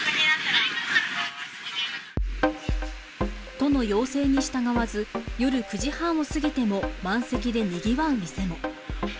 都の要請に従わず、夜９時半を過ぎても満席でにぎわう店も。